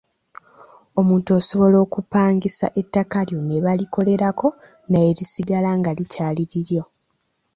Omuntu osobola okupangisa ettaka lyo ne balikolerako naye ne lisigala nga likyali liryo.